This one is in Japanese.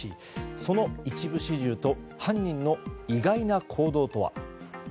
その一部始終と犯人の意外な行動とは。